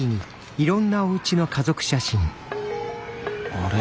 あれ？